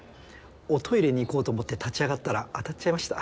おトイレに行こうと思って立ち上がったら当たっちゃいました。